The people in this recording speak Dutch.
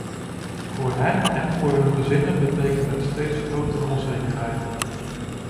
Voor hen en voor hun gezinnen betekent het steeds grotere onzekerheid.